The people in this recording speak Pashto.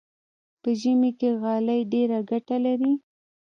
په ژمي کې غالۍ ډېره ګټه لري.